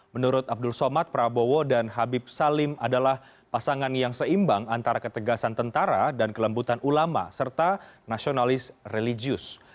menurut abdul somad prabowo dan habib salim adalah pasangan yang seimbang antara ketegasan tentara dan kelembutan ulama serta nasionalis religius